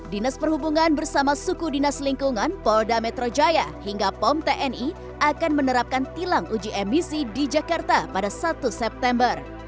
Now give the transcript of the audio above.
dinas perhubungan bersama suku dinas lingkungan polda metro jaya hingga pom tni akan menerapkan tilang uji emisi di jakarta pada satu september